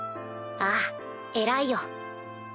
ああ偉いよ。